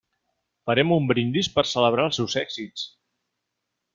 Farem un brindis per celebrar els seus èxits.